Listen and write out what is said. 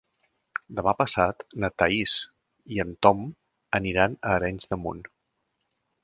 Demà passat na Thaís i en Tom aniran a Arenys de Munt.